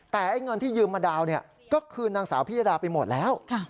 แต่เงินที่ยืมมาดาวนก็คืนนางสาวพิยดาไปหมดแล้ว